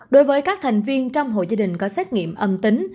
đối với các thành viên trong hội gia đình có xét nghiệm âm tính